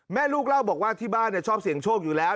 แม่ลูกเล่าบอกว่าที่บ้านชอบเสี่ยงโชคอยู่แล้ว